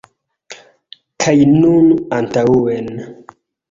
Kaj nun antaŭen!